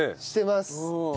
してます。